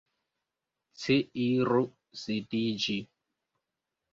Ci iru sidiĝi.